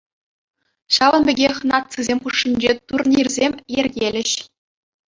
Ҫавӑн пекех нацисем хушшинче турнирсем йӗркелӗҫ.